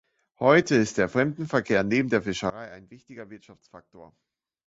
Heute ist der Fremdenverkehr neben der Fischerei ein wichtiger Wirtschaftsfaktor.